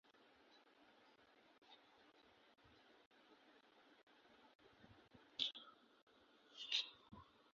পাকিস্তান শাসিত কাশ্মীরের পুঞ্চ জেলার সীমান্তবর্তী পুঞ্চ জেলা অবস্থিত এবং ভারত ও পাকিস্তানের মধ্যে সীমান্তবর্তী অংশ হিসেবে পরিচিত জেলাটি।